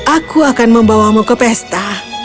aku akan membawamu ke pesta